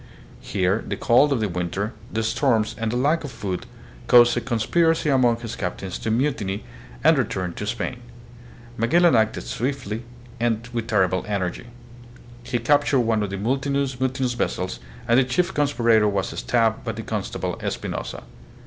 Here the cold of the winter, the storms, and the lack of food caused a con spiracy among his captains to mutiny and return to Spain. Magellan acted with swift and terrible energy. He cap tured one of the mutinous vessels, and the chief conspirator was stabbed by the constable, Espinosa.